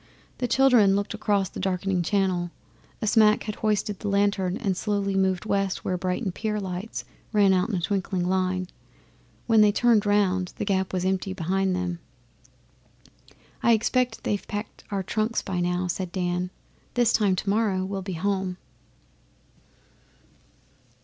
The children looked across the darkening Channel. A smack had hoisted a lantern and slowly moved west where Brighton pier lights ran out in a twinkling line. When they turned round The Gap was empty behind them. 'I expect they've packed our trunks by now,' said Dan. 'This time tomorrow we'll be home.